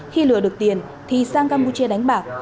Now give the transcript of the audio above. khi lừa được tiền thì sang campuchia đánh bạc